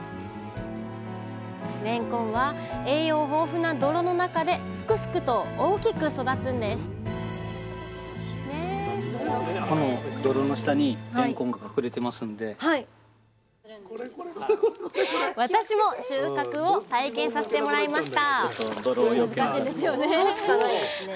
れんこんは栄養豊富な泥の中ですくすくと大きく育つんです私も収穫を体験させてもらいました